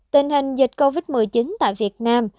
tình hình dịch covid một mươi chín tại việt nam